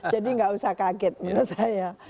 jadi gak usah kaget menurut saya